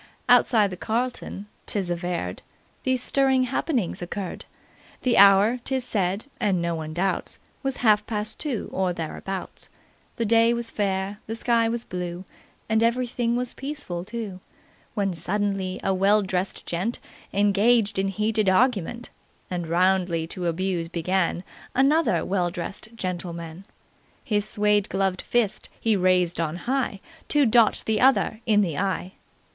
"Outside the 'Carlton,' 'tis averred, these stirring happenings occurred. The hour, 'tis said (and no one doubts) was half past two, or thereabouts. The day was fair, the sky was blue, and everything was peaceful too, when suddenly a well dressed gent engaged in heated argument and roundly to abuse began another well dressed gentleman. His suede gloved fist he raised on high to dot the other in the eye.